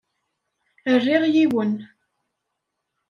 Rriɣ yiwen.